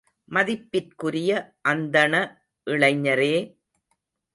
மதிப்பிற்குரிய அந்தண இளைஞரே!